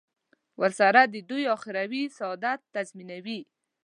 ورسره د دوی اخروي سعادت تضمینوي.